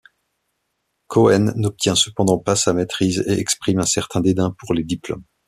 Cohen n'obtient cependant pas sa maîtrise et exprime un certain dédain pour les diplômes.